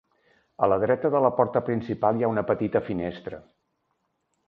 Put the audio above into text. A la dreta de la porta principal, hi ha una petita finestra.